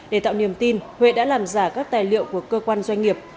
để tạo niềm tin huệ đã làm giả các tài liệu của cơ quan doanh nghiệp